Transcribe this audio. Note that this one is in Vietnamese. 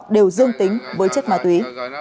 đều dương tính với chất ma túy